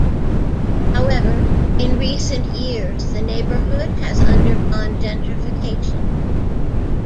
However, in recent years, the neighbourhood has undergone gentrification.